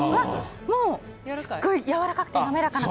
すっごいやわらかくて滑らかな感じ。